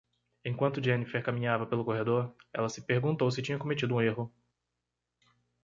Enquanto Jennifer caminhava pelo corredor, ela se perguntou se tinha cometido um erro.